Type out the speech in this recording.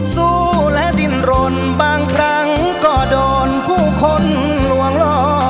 สู้และดินรนบางครั้งก็โดนผู้คนลวงหล่อ